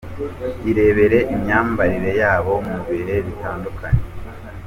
Irebere imyambarire yabo mu bihe bitandukanye:.